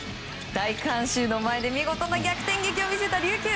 大観衆の前で見事な逆転劇を見せた琉球。